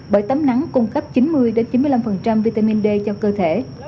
bởi tấm nắng cung cấp chín mươi chín mươi năm vitamin d cho cơ thể